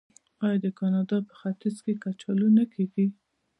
آیا د کاناډا په ختیځ کې کچالو نه کیږي؟